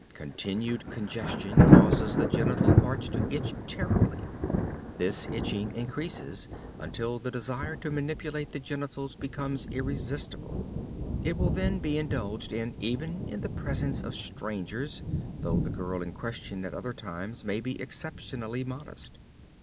Continued congestion causes the genital parts to itch terribly. This itching increases until the desire to manipulate the genitals becomes irresistible. It will then be indulged in even in the presence of strangers, though the girl in question at other times may be exceptionally modest.